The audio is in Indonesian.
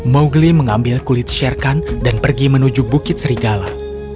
mowgli mengambil kulit sherkan dan pergi menuju bukit serigala